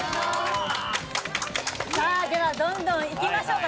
さあ、ではどんどんいきましょうか。